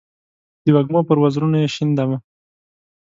د وږمو پر وزرونو یې شیندمه